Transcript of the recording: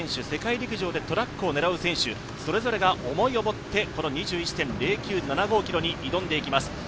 世界陸上でトラックを狙う選手それぞれが思いを持って２１．０９７５ｋｍに挑んでいきます。